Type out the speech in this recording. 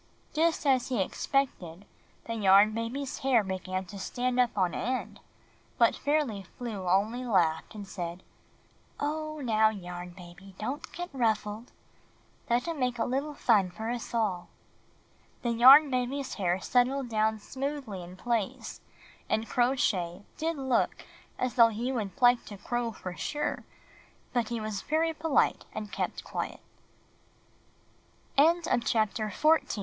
Just as he expected, the Yarn Baby's hair began to stand up on end; but Fairly Flew only laughed and said, "Oh, now, Yarn Baby, don't get ruffled. Let him make a little fun for us all." The Yarn Baby's hair settled down smoothly in place, and Crow Shay did look as though he would like to crow for sure, but he was very poli